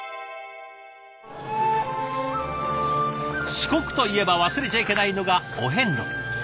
四国といえば忘れちゃいけないのがお遍路。